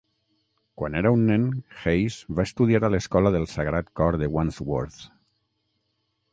Quan era un nen, Hayes va estudiar a l'escola del Sagrat Cor de Wandsworth.